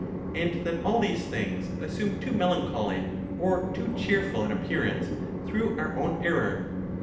and that all these things assume too melan choly or too cheerful an appearance through our own er ror?